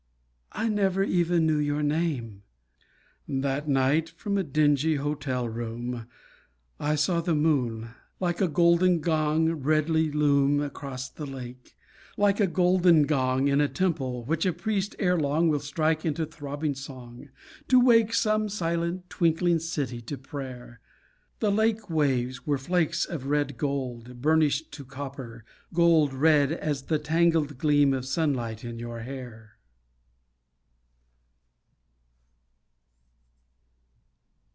I never even knew your name.... That night from a dingy hotel room, I saw the moon, like a golden gong, Redly loom Across the lake; like a golden gong In a temple, which a priest ere long Will strike into throbbing song, To wake some silent twinkling city to prayer. The lake waves were flakes of red gold, Burnished to copper, Gold, red as the tangled gleam Of sunlight in your hair.